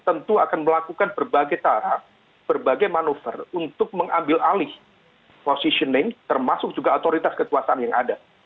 tentu akan melakukan berbagai cara berbagai manuver untuk mengambil alih positioning termasuk juga otoritas kekuasaan yang ada